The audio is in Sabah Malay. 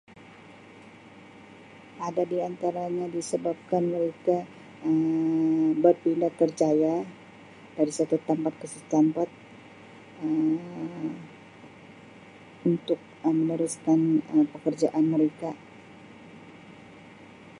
Ada di antaranya disebabkan mereka err berpindah kerjaya dari satu tempat ke satu tempat err untuk Um meneruskan Um pekerjaan mereka